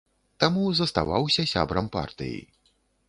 Таму заставаўся сябрам партыі.